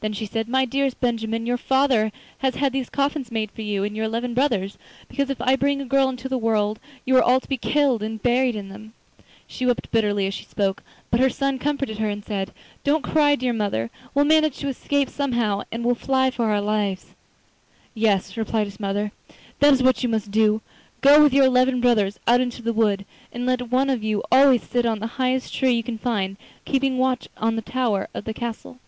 Then she said: 'My dearest Benjamin, your father has had these coffins made for you and your eleven brothers, because if I bring a girl into the world you are all to be killed and buried in them.' She wept bitterly as she spoke, but her son comforted her and said: 'Don't cry, dear mother; we'll manage to escape somehow, and will fly for our lives.' 'Yes,' replied his mother, 'that is what you must do—go with your eleven brothers out into the wood, and let one of you always sit on the highest tree you can find, keeping watch on the tower of the castle.